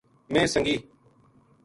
میں سنگی